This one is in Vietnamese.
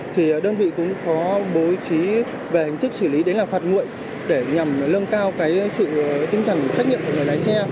thì đơn vị cũng có bố trí về hình thức xử lý đấy là phạt nguội để nhằm lương cao cái sự tinh thần trách nhiệm của người lái xe